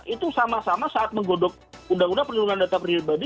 itu sama sama saat menggodok undang undang perlindungan data pribadi